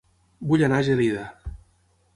Vull anar a Gelida